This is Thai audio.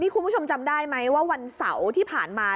คุณผู้ชมจำได้ไหมว่าวันเสาร์ที่ผ่านมา